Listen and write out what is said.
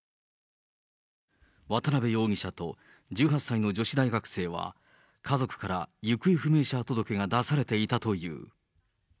渡邉容疑者と１８歳の女子大学生は、家族から行方不明者届が出されていたという。